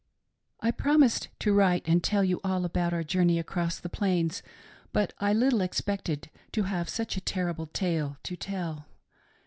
I PROMISED to write and tell you all about our journey across the Plains, but I little expected to have such a terrible tale to tell.